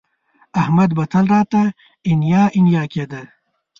احمد به تل راته انیا انیا کېده